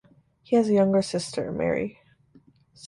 He has a younger sister, Mary.